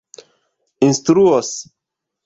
instruos